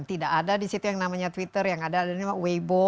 tidak ada di situ yang namanya twitter yang ada nama waibo